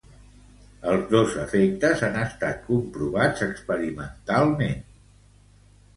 Els dos efectes han estat comprovats experimentalment.